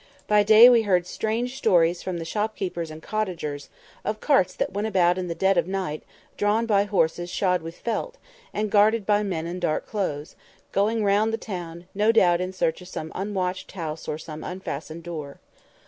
By day we heard strange stories from the shopkeepers and cottagers, of carts that went about in the dead of night, drawn by horses shod with felt, and guarded by men in dark clothes, going round the town, no doubt in search of some unwatched house or some unfastened door.